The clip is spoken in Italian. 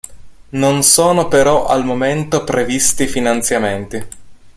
Non sono però al momento previsti finanziamenti.